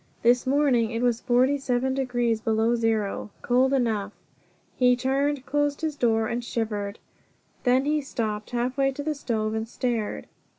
This morning it was forty seven degrees below zero. Cold enough! He turned, closed the door, shivered. Then he stopped halfway to the stove, and stared.